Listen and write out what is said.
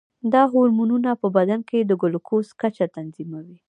دا هورمونونه په بدن کې د ګلوکوز کچه تنظیموي.